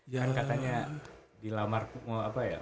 jangan katanya dilamar mau apa ya